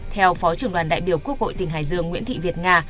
theo phó trưởng đoàn đại biểu quốc hội tỉnh hải dương nguyễn thị việt nga